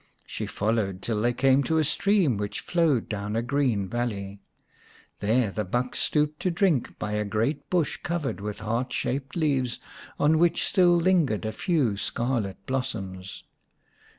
She followed till they came to a stream which flowed down a green valley. There the buck stooped to drink by a great bush covered with heart shaped leaves, on which still lingered a few scarlet blossoms.